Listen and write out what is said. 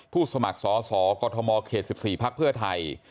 สมัครสอสอกอทมเขต๑๔พักเพื่อไทย